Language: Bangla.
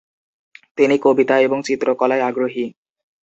তিনি কবিতা এবং চিত্রকলায় আগ্রহী।